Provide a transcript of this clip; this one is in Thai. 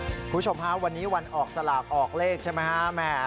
คุณผู้ชมฮะวันนี้วันออกสลากออกเลขใช่ไหมฮะ